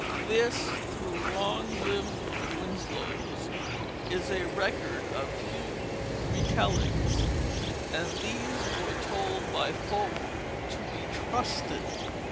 This through long lived Winslows is a record of few retellings; and these were told by folk to be trusted.